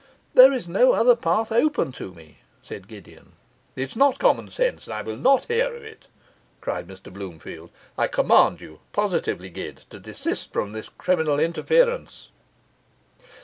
'There is no other path open to me,' said Gideon. 'It's not common sense, and I will not hear of it,' cried Mr Bloomfield. 'I command you, positively, Gid, to desist from this criminal interference.